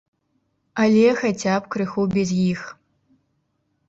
Але, хаця б, крыху без іх.